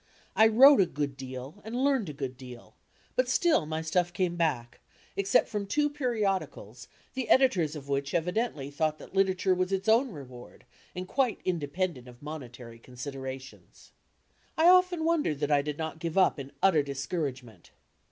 I wrote a good deal and learned a good deal, but still my stuff came back, except from two periodicals the editors of which evi dendy thought that literature was its own reward, and quite independent of monetary considerations. I often wonder that I did not give up in utter discountgement.